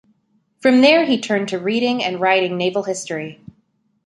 From there he turned to reading and writing naval history.